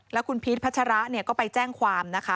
และคุณพีทพัชระก็ไปแจ้งความ